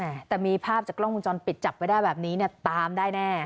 แต่มีภาพจากกล้องวงจรปิดจับไว้ได้แบบนี้เนี่ยตามได้แน่